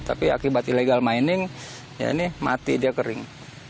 tapi akibat illegal mining ya ini mati dia kering